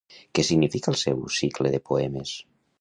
Què significa el seu cicle de poemes?